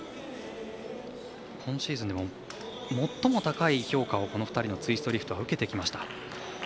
今シーズン、最も高い評価をこの２人のツイストリフトは受けてきました。